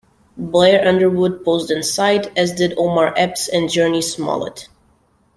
Blair Underwood posed inside, as did Omar Epps and Jurnee Smollett.